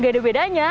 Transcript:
gak ada bedanya